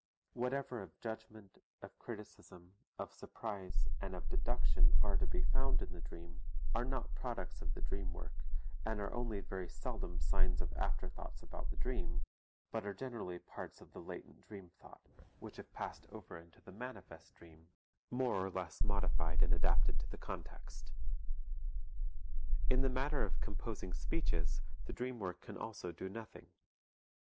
Whatever of judgment, of criticism, of surprise, and of deduction are to be found in the dream are not products of the dream work and are only very seldom signs of afterthoughts about the dream, but are generally parts of the latent dream thought, which have passed over into the manifest dream, more or less modified and adapted to the context. In the matter of composing speeches, the dream work can also do nothing.